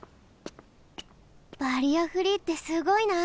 バリアフリーってすごいな。